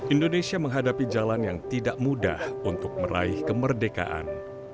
indonesia menghadapi jalan yang tidak mudah untuk meraih kemerdekaan